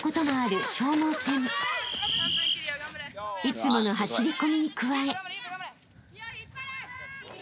［いつもの走り込みに加え］